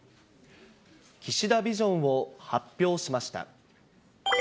岸田ビジョンを発表しました。